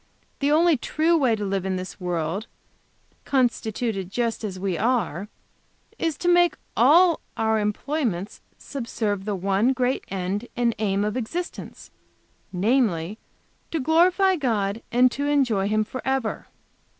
The only true way to live in this world, constituted just as we are, is to make all our employments subserve the one great end and aim of existence, namely, to glorify God and to enjoy Him forever.